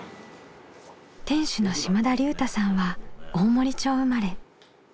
店主の島田竜太さんは大森町生まれ。